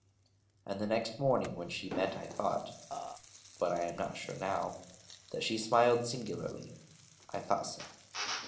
And the next morning when we met I thought but am not now sure that she smiled singularly: I thought so.